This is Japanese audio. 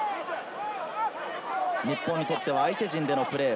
日本にとっては相手陣でのプレー。